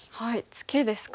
ツケですか。